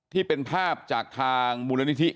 ที่เป็นภาพจากทางบูรณนิธิกระจกเงา